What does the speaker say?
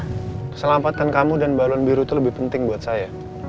keselamatan kamu dan balon biru itu lebih penting buat saya